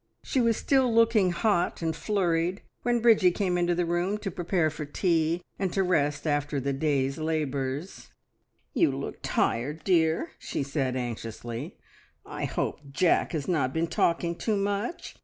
She was still looking hot and flurried when Bridgie came into the room to prepare for tea, and to rest after the day's labours. "You look tired, dear!" she said anxiously. "I hope Jack has not been talking too much.